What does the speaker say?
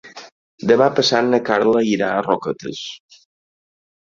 Demà passat na Carla irà a Roquetes.